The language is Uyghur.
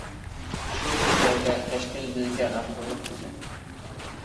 شۇ كۈنلەردە تەشكىل بىزگە غەمخورلۇق قىلدى.